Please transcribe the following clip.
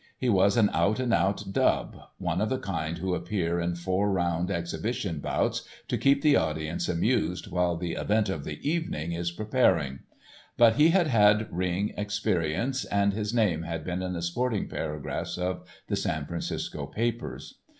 He was an out and out dub—one of the kind who appear in four round exhibition bouts to keep the audience amused while the "event of the evening" is preparing—but he had had ring experience, and his name had been in the sporting paragraphs of the San Francisco papers.